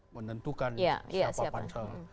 menentukan siapa pansel